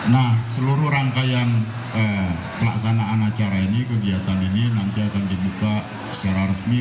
nah seluruh rangkaian pelaksanaan acara ini kegiatan ini nanti akan dibuka secara resmi